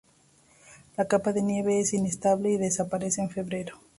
La capa de nieve es inestable y desaparece en febrero.